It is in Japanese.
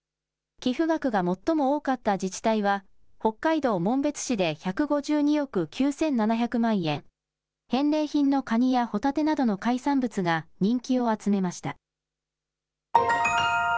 寄付額が最も多かった自治体は、北海道紋別市で１５２億９７００万円、返礼品のカニやホタテなどの海産物が人気を集めました。